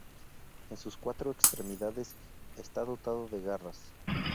En sus cuatro extremidades está dotado de garras.